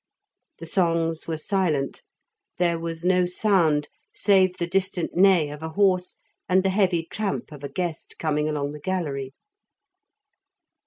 The songs were silent; there was no sound save the distant neigh of a horse and the heavy tramp of a guest coming along the gallery.